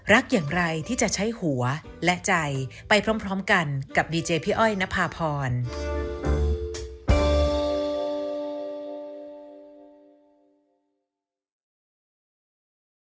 โปรดติดตามตอนต่อไป